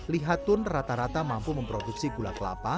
lihatun rata rata mampu memproduksi gula kelapa